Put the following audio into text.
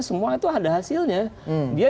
semua itu ada hasilnya